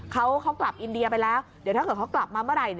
เขากลับอินเดียไปแล้วเดี๋ยวถ้าเกิดเขากลับมาเมื่อไหร่